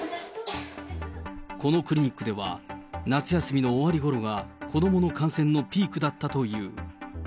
このクリニックでは、夏休みの終わりごろが子どもの感染のピークだったという。